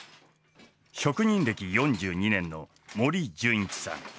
職人歴４２年の森純一さん。